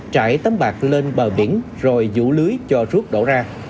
trải tấm bạc lên bờ biển rồi rủ lưới cho rút đổ ra